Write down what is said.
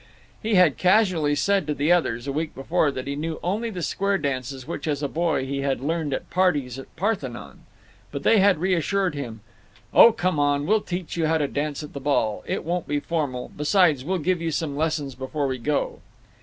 He had casually said to the others, a week before, that he knew only the square dances which, as a boy, he had learned at parties at Parthenon. But they had reassured him: "Oh, come on—we'll teach you how to dance at the ball—it won't be formal. Besides, we'll give you some lessons before we go."